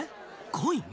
コイン？